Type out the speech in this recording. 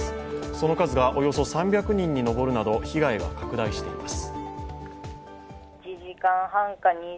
その数がおよそ３００人に上るなど被害が拡大しています。